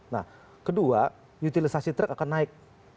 nah kedua utilisasi truk akan naik